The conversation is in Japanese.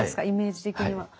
イメージ的には。